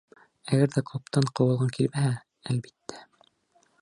Әгәр ҙә клубтан ҡыуылғың килмәһә, әлбиттә.